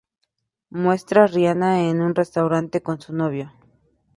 Muestra Rihanna en un restaurante con su novio.